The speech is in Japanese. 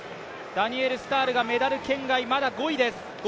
ダニエル・スタールがメダル圏外、まだ５位です。